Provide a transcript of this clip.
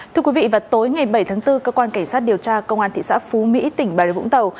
thưa quý vị vào tối ngày bảy tháng bốn cơ quan cảnh sát điều tra công an thị xã phú mỹ tỉnh bà rịa vũng tàu